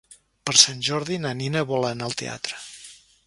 Per Sant Jordi na Nina vol anar al teatre.